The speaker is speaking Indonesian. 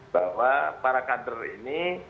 bahwa para kader ini